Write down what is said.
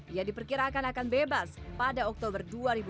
ia diperkirakan akan bebas pada oktober dua ribu dua puluh